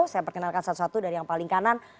saya perkenalkan satu satu dari yang paling kanan